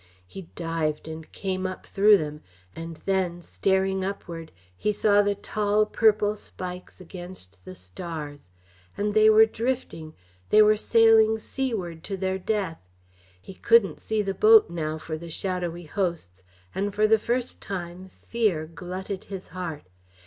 He dived and came up through them; and then, staring upward, he saw the tall, purple spikes against the stars. And they were drifting they were sailing seaward to their death. He couldn't see the boat now for the shadowy hosts; and for the first time fear glutted his heart.